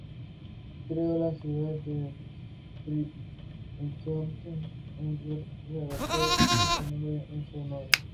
Creo la ciudad de Brie-Comte-Robert, que adoptó este nombre en su honor.